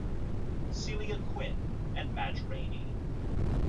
Celia Quinn and Madge Rainey.